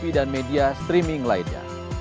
ada pembahasan bertemu dengan bomega enggak pak